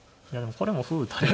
これも歩打たれて。